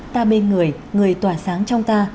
ta bên người người tỏa sáng trong ta